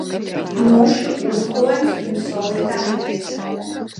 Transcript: Mušu uzlidojums pirms solītā negaisa.